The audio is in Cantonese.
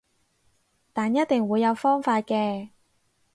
但一定會有方法嘅